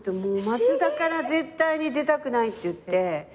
松田から絶対に出たくないっていって。